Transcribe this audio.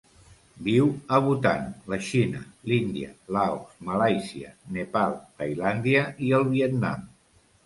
Viu a Bhutan, la Xina, l'Índia, Laos, Malàisia, Nepal, Tailàndia i el Vietnam.